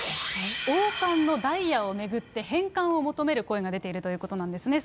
王冠のダイヤを巡って、返還を求める声が出ているということなんですね。